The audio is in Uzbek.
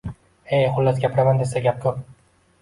Eee, xullas, gapiraman desa, gap ko'p!